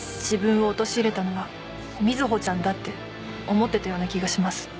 自分を陥れたのは瑞穂ちゃんだって思ってたような気がします。